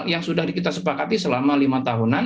yang sudah kita sepakati selama lima tahunan